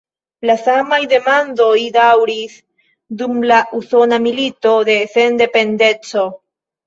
La samaj demandoj daŭris dum la Usona Milito de Sendependeco.